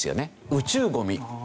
宇宙ゴミ。